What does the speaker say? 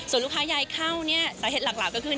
ส่วนลูกค้ายายเข้าเนี่ยสาเหตุหลักก็คือ